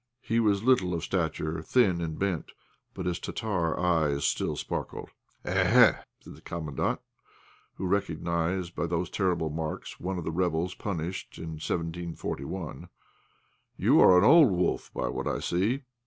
He was little of stature, thin and bent; but his Tartar eyes still sparkled. "Eh! eh!" said the Commandant, who recognized by these terrible marks one of the rebels punished in 1741, "you are an old wolf, by what I see.